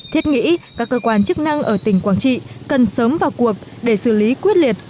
thiết nghĩ các cơ quan chức năng ở tỉnh quảng trị cần sớm vào cuộc để xử lý quyết liệt